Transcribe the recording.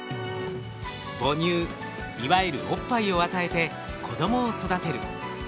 母乳いわゆるおっぱいを与えて子供を育てる。